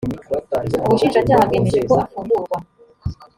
ubushinjacyaha bwemeje ko afungurwa.